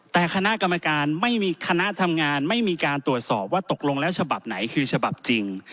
แต่คณะทำงานไม่มีการตรวจสอบว่าตกลงแล้วฉบับไหนคือฉบับจริง